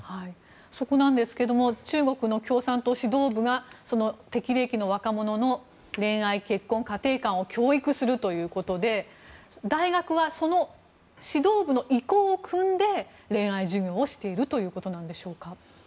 そこなんですが中国の共産党指導部が適齢期の若者の恋愛・結婚・家庭観を教育するということで大学はその指導部の意向をくんで恋愛授業をしているということなんでしょうか。